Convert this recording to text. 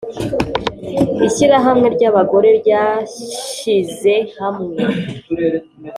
ishirahamwe ry’ abagore ryishize hamwe